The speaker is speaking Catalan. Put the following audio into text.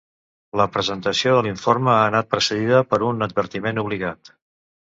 La presentació de l’informe ha anat precedida per un advertiment obligat.